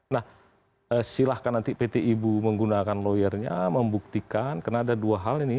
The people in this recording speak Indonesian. nah silahkan nanti pt ibu menggunakan lawyernya membuktikan karena ada dua hal ini